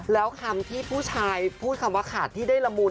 แล้วคำที่ผู้ชายพูดคำว่าขาดที่ได้ละมุน